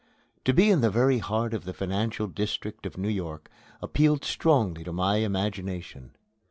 To be in the very heart of the financial district of New York appealed strongly to my imagination.